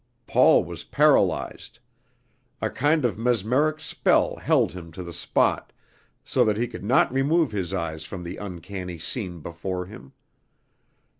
Paul was paralyzed; a kind of mesmeric spell held him to the spot, so that he could not remove his eyes from the uncanny scene before him.